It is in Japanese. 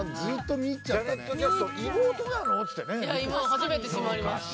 初めて知りました。